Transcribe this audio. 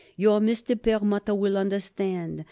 Your Mr. Perlmutter will understand.